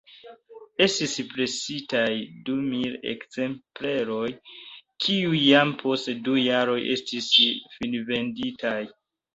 Estis presitaj dumil ekzempleroj, kiuj jam post du jaroj estis finvenditaj.